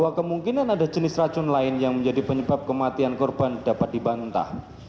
dan di atas kemungkinan ada jenis racun lain yang menjadi penyebab kematian korban dapat dibantah